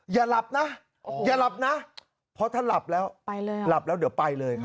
อย่าหลับนะอย่าหลับนะเพราะถ้าหลับแล้วไปเลยหลับแล้วเดี๋ยวไปเลยครับ